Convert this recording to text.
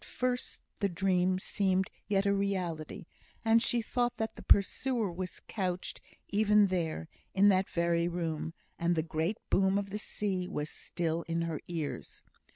At first the dream seemed yet a reality, and she thought that the pursuer was couched even there, in that very room, and the great boom of the sea was still in her ears.